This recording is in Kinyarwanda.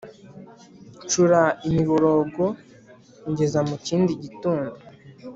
Ncura imiborogo ngeza mu kindi gitondo.